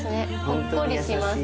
ほっこりします。